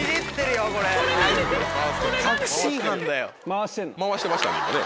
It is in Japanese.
回してましたね